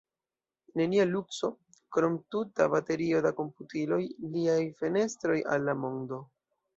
Nenia lukso, krom tuta baterio da komputiloj – liaj fenestroj al la mondo.